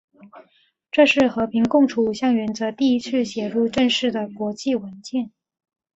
这是和平共处五项原则第一次写入正式的国际文件。